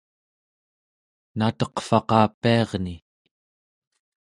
nateqvaqapiarni?